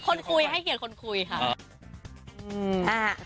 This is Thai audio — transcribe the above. คนคุยให้เกียรติคนคุยค่ะ